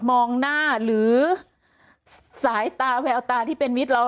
มองหน้าหรือสายตาแววตาที่เป็นมิตรเรา